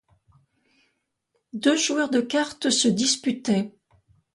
Deux joueurs de cartes se disputaient.